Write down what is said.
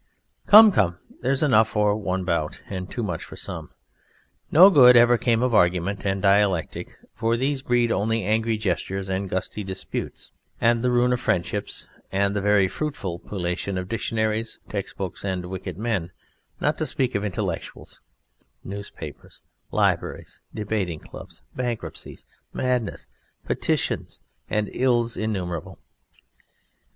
Come, come, there's enough for one bout, and too much for some. No good ever came of argument and dialectic, for these breed only angry gestures and gusty disputes (de gustibus non disputandum) and the ruin of friendships and the very fruitful pullulation of Dictionaries, textbooks and wicked men, not to speak of Intellectuals, Newspapers, Libraries, Debating clubs, bankruptcies, madness, Petitiones elenchi and ills innumerable.